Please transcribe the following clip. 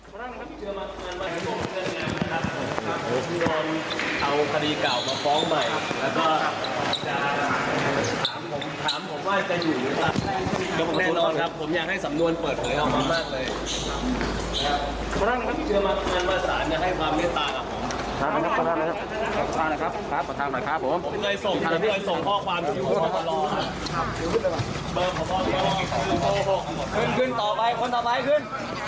ผมอยากให้สำนวนเปิดเผยออกมามากเลย